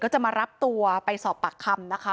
จะมารับตัวไปสอบปากคำนะคะ